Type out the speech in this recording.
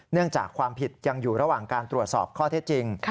จากความผิดยังอยู่ระหว่างการตรวจสอบข้อเท็จจริง